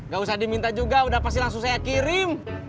gak usah diminta juga udah pasti langsung saya kirim